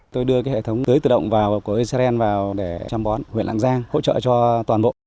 tôi đưa cái hệ thống tưới tự động vào của israel vào để chăm bón huyện lạng giang hỗ trợ cho toàn bộ